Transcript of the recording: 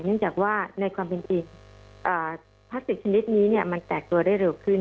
เนื่องจากว่าในความเป็นจริงพลาสติกชนิดนี้มันแตกตัวได้เร็วขึ้น